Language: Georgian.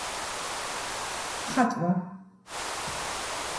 ხატვა